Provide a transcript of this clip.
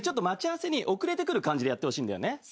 待ち合わせに遅れてくる感じでやってほしいんだよね。